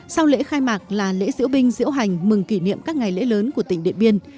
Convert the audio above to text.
sau lễ khai mạc là lễ diễu binh diễu hành mừng kỷ niệm các ngày lễ lớn của tỉnh điện biên